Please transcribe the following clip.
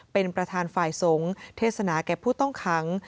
เป็นประธานฝ่ายโสงเทศนาแก่พูดต้องค้าง